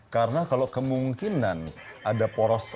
karena kalau kemungkinan ada poros